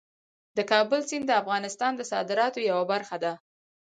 د کابل سیند د افغانستان د صادراتو یوه برخه ده.